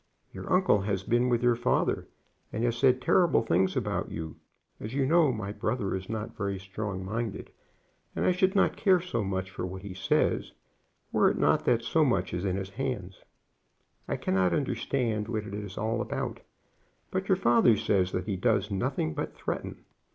"Your uncle has been with your father, and has said terrible things about you. As you know, my brother is not very strong minded, and I should not care so much for what he says were it not that so much is in his hands. I cannot understand what it is all about, but your father says that he does nothing but threaten.